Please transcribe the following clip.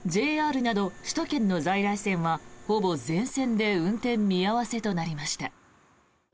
ＪＲなど首都圏の在来線はほぼ全線で運転見合わせとなりました。